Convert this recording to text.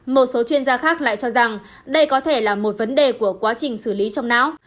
một số chuyên gia khác lại cho rằng đây có thể là một vấn đề của quá trình xử lý trong não